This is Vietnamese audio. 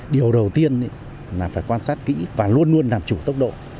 điều đầu tiên là phải quan sát kỹ và luôn luôn làm chủ tốc độ